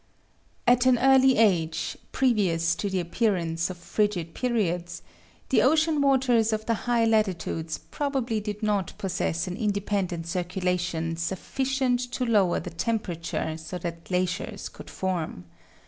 At an early age, previous to the appearance of frigid periods, the ocean waters of the high latitudes probably did not possess an independent circulation sufficient to lower the temperature so that glaciers could form.